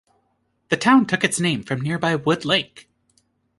The town took its name from nearby Wood Lake.